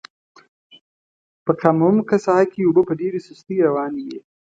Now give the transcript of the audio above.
په کم عمقه ساحه کې اوبه په ډېره سستۍ روانې وې.